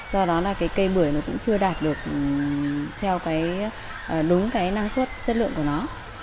do đó là cái cây bưởi nó cũng chưa đạt được theo cái đúng cái năng suất chất lượng của nó